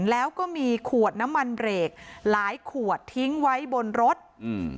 แล้วก็มีขวดน้ำมันเบรกหลายขวดทิ้งไว้บนรถอืม